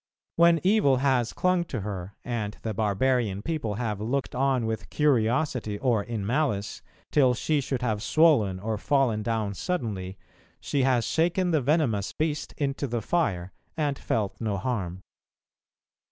When evil has clung to her, and the barbarian people have looked on with curiosity or in malice, till she should have swollen or fallen down suddenly, she has shaken the venomous beast into the fire, and felt no harm.